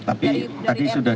tapi tadi sudah